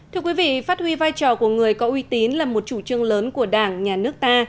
thưa quý vị phát huy vai trò của người có uy tín là một chủ trương lớn của đảng nhà nước ta